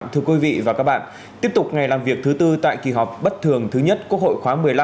thưa quý vị và các bạn tiếp tục ngày làm việc thứ tư tại kỳ họp bất thường thứ nhất quốc hội khóa một mươi năm